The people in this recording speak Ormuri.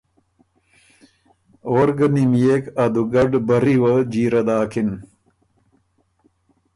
او ر ګۀ نِميېک، ا دُوګډ برّی وه جیره داکِن،